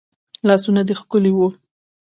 لاسونه دي ښکلي وه